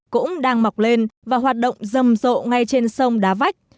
cũng đang mọc lên và hoạt động rầm rộ ngay trên sông đá vách